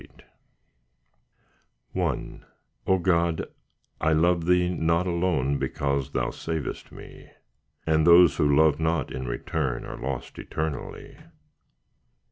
I O God, I love Thee, not alone Because Thou savest me, And those who love not in return Are lost eternally.